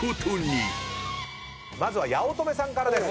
まずは八乙女さんからです。